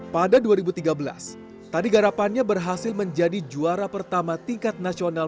pada dua ribu tiga belas tadi garapannya berhasil menjadi juara pertama tingkat nasional